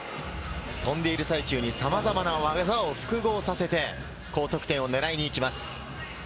飛んでいる最中にさまざまな技を複合させて高得点を狙いに行きます。